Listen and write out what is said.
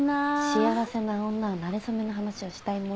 幸せな女はなれ初めの話をしたいものなの。